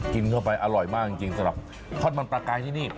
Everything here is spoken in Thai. กินเข้าไปอร่อยมากจริงสำหรับทอดมันปลากายที่นี่